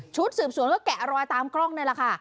สืบสวนก็แกะรอยตามกล้องนี่แหละค่ะ